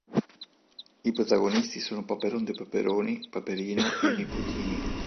I protagonisti sono Paperon de Paperoni, Paperino e i nipotini.